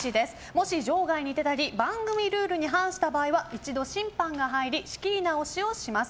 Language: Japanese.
もし場外に出たり番組ルールに反した場合は一度、審判が入り仕切り直しをします。